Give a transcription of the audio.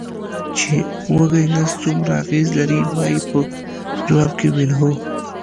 چې وږی نس څومره اغېز لري، ما یې په ځواب کې وویل: هو.